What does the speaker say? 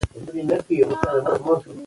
سکرین وخت به محدود شي.